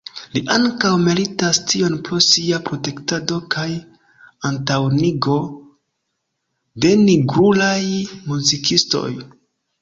Li ankaŭ meritas tion pro sia protektado kaj antaŭenigo de nigrulaj muzikistoj.